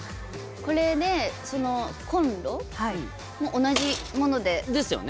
これでコンロも同じもので。ですよね。